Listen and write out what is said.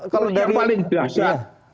kalau yang paling dasar